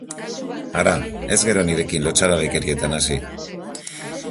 Hara, ez gero nirekin lotsagabekerietan hasi!